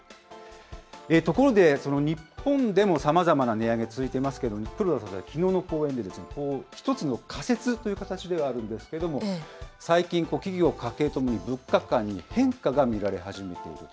ところで、日本でもさまざまな値上げ、続いていますけれども、黒田総裁、きのうの講演で、一つの仮説という形ではあるんですけれども、最近、企業、家計ともに物価観に変化が見られ始めている。